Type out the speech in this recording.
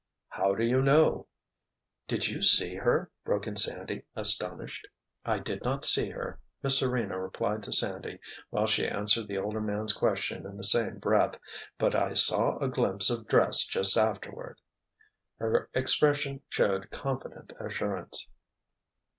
"How do you know?" "Did you see her?" broke in Sandy, astonished. "I did not see her," Miss Serena replied to Sandy while she answered the older man's question in the same breath. "But I saw a glimpse of dress just afterward." Her expression showed confident assurance.